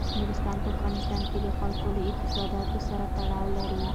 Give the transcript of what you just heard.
نورستان په افغانستان کې د خلکو له اعتقاداتو سره تړاو لري.